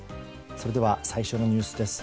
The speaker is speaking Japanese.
それでは最初のニュースです。